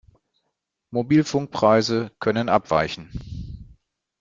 Mobilfunkpreise können abweichen.